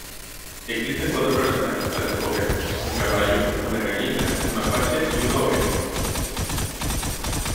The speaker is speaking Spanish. Existen cuatro personajes para escoger: un caballo, una gallina, un mapache y una oveja.